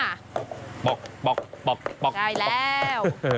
ใช่แล้ว